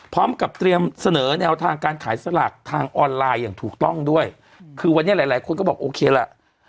พร้อมกับเตรียมเสนอแนวทางการขายสลากทางออนไลน์อย่างถูกต้องด้วยคือวันนี้หลายหลายคนก็บอกโอเคแหละ